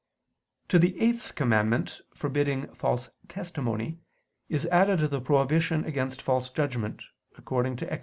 To the eighth commandment, forbidding false testimony, is added the prohibition against false judgment, according to Ex.